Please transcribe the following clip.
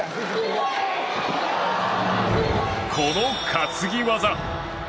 この担ぎ技。